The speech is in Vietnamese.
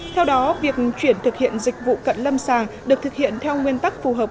theo đó việc chuyển thực hiện dịch vụ cận lâm sàng được thực hiện theo nguyên tắc phù hợp